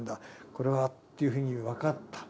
これはというふうに分かった。